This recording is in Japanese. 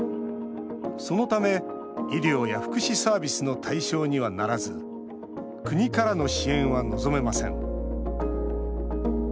そのため、医療や福祉サービスの対象にはならず国からの支援は望めません。